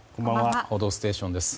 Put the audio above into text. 「報道ステーション」です。